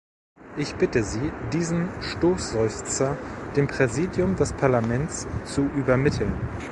Ich bitte Sie, diesen Stoßseufzer dem Präsidium des Parlaments zu übermitteln.